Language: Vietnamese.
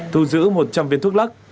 thu giữ một trăm linh viên thuốc lắc